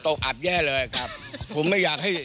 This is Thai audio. ก็ตกอับแย่เลยครับ